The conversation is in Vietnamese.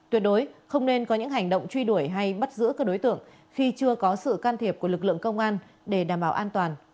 tuyệt đối không nên có những hành động truy đuổi hay bắt giữ các đối tượng khi chưa có sự can thiệp của lực lượng công an để đảm bảo an toàn